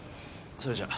それじゃあ。